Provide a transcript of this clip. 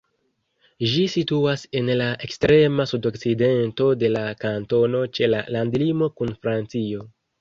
Ĝi situas en la ekstrema sudokcidento de la kantono ĉe la landlimo kun Francio.